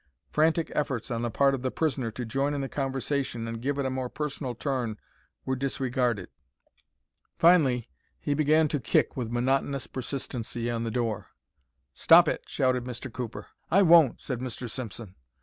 Frantic efforts on the part of the prisoner to join in the conversation and give it a more personal turn were disregarded. Finally he began to kick with monotonous persistency on the door. "Stop it!" shouted Mr. Cooper. "I won't," said Mr. Simpson.